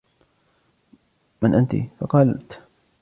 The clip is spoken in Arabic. مَنْ أَنْتِ ؟ فَقَالَتْ